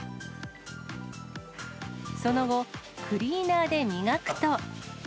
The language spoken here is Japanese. その後、クリーナーで磨くと。